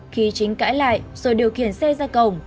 khi chính cãi lại rồi điều khiển xe ra cổng